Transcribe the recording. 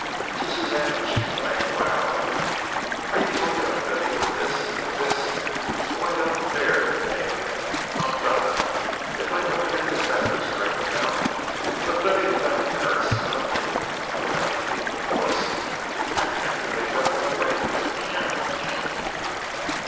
To Suzanne she exclaimed aloud: "Are you talking of living with this, with this, oh, I don't dare to name him. I'll die if I don't get this matter straightened out; of living without a marriage ceremony and without his being divorced? I can't believe that I am awake. I can't! I can't!"